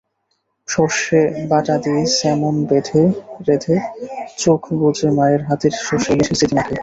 সরষে বাটা দিয়ে স্যামন রেঁধে চোখ বুজে মায়ের হাতের সরষে-ইলিশের স্মৃতি মাখাই।